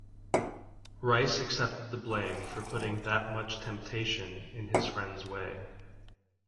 Rice accepted the blame for putting "that much temptation" in his friend's way.